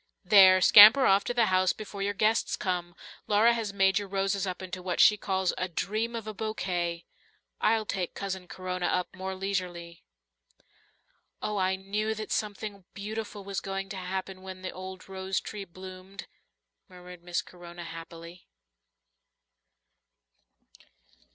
There, scamper off to the house before your guests come. Laura has made your roses up into what she calls 'a dream of a bouquet,' I'll take Cousin Corona up more leisurely." "Oh, I knew that something beautiful was going to happen when the old rose tree bloomed," murmured Miss Corona happily.